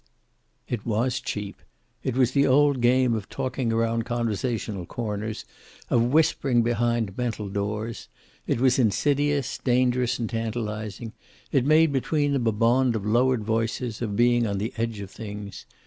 It was cheap. It was the old game of talking around conversational corners, of whispering behind mental doors. It was insidious, dangerous, and tantalizing. It made between them a bond of lowered voices, of being on the edge of things.